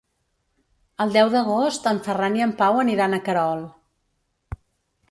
El deu d'agost en Ferran i en Pau aniran a Querol.